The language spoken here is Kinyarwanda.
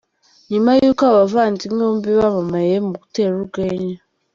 Nyuma yuko aba bavandimwe bombi bamamaye mu gutera urwenya.